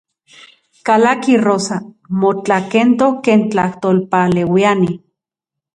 Kalaki Rosa, motlakentok ken tlajtolpaleuiani.